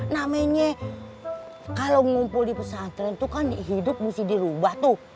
namanya kalau ngumpul di pesantren itu kan hidup mesti dirubah tuh